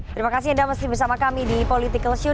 terima kasih sudah bersama kami di politik show